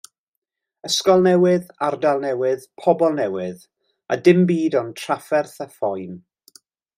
Ysgol newydd, ardal newydd, pobl newydd a dim byd ond trafferth a phoen.